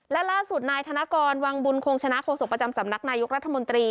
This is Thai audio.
และล่าสุดนายธนกรวังบุญคงชนะโฆษกประจำสำนักนายกรัฐมนตรี